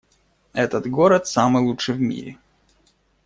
Этот город самый лучший в мире!